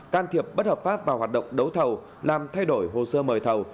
can thiệp bất hợp pháp vào hoạt động đấu thầu làm thay đổi hồ sơ mời thầu